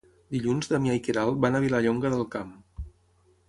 Dilluns en Damià i na Queralt van a Vilallonga del Camp.